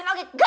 dan biar juga